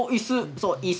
そう椅子。